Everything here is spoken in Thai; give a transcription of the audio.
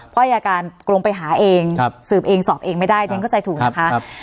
เพราะอายการลงไปหาเองสืบเองสอบเองไม่ได้เรียนเข้าใจถูกนะคะ